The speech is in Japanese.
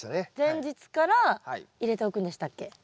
前日から入れておくんでしたっけ？